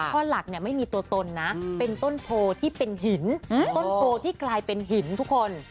ข้อหลักเนี่ยไม่มีตัวตนนะเป็นต้นโพที่เป็นหินต้นโพที่กลายเป็นหินทุกคน